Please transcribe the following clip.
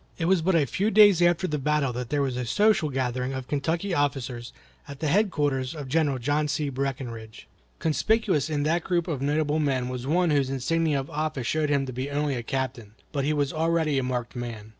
It was but a few days after the battle that there was a social gathering of Kentucky officers at the headquarters of General John C. Breckinridge. Conspicuous in that group of notable men was one whose insignia of office showed him to be only a captain. But he was already a marked man.